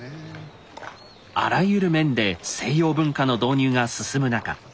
あらゆる面で西洋文化の導入が進む中